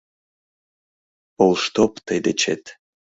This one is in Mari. — Полштоп тый дечет.